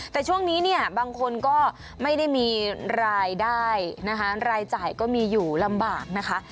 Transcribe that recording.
แต่ช่วงนี้เนี่ยบางคนก็ไม่ได้มีรายได้นะคะรายจ่ายก็มีอยู่ลำบากนะคะ